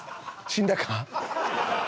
死んだか。